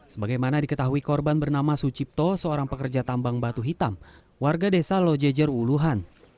sebagaimana diketahui korban bernama sucipto seorang pekerja tambang batu hitam warga desa lojejer uluhan